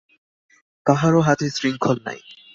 কাহারও হাতে শৃঙ্খল নাই।